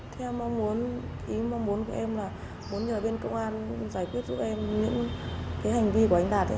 thế em mong muốn ý mong muốn của em là muốn nhờ bên công an giải quyết giúp em những cái hành vi của anh đạt